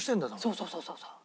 そうそうそうそうそう。